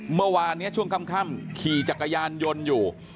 เมื่อวานนี้ช่วงค่ำขี่จักรยานยนต์อยู่